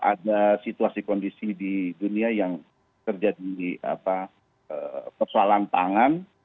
ada situasi kondisi di dunia yang terjadi persoalan pangan